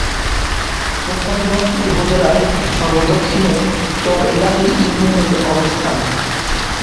কোম্পানীগঞ্জ উপজেলার সর্ব-দক্ষিণে চর এলাহী ইউনিয়নের অবস্থান।